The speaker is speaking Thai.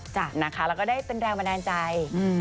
แล้วก็ได้เป็นแรงบันดาลใจ